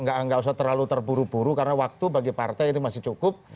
nggak usah terlalu terburu buru karena waktu bagi partai itu masih cukup